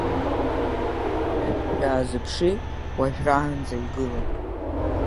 Шәазыԥши, уажәраанӡа игылан.